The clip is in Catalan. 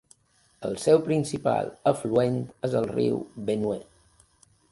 El seu principal afluent és el riu Benue.